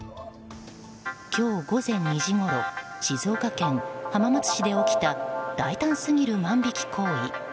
今日午前２時ごろ静岡県浜松市で起きた大胆すぎる万引き行為。